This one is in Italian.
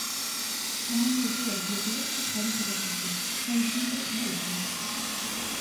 È anche autore di operette comiche teatrali, quasi sempre in dialetto milanese.